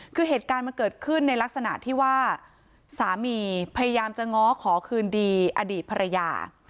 คือเหตุการณ์มันเกิดขึ้นในลักษณะที่ว่าสามีพยายามจะง้อขอคืนดีอดีตภรรยา